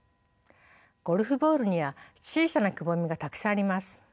ゴルフボールには小さなくぼみがたくさんあります。